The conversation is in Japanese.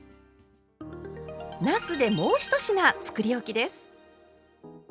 なすでもう１品つくりおきです。